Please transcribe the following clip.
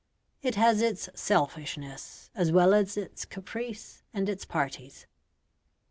It has its selfishness as well as its caprice and its parties.